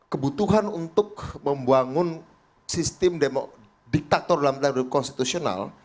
kebutuhan untuk membangun sistem diktator dalam konstitusional